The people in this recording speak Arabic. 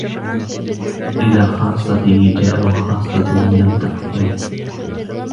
إلى خاصته جاء وخاصته لم تقبله.